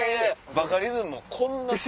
バカリズムこんなさ。